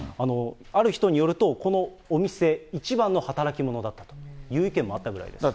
ある人によると、このお店、一番の働き者だったという意見もあったくらいです。